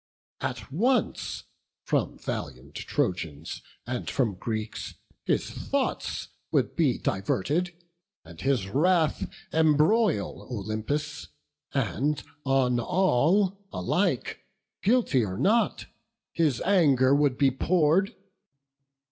At once from valiant Trojans and from Greeks His thoughts would be diverted, and his wrath Embroil Olympus, and on all alike, Guilty or not, his anger would be pour'd.